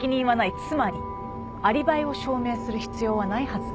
つまりアリバイを証明する必要はないはず。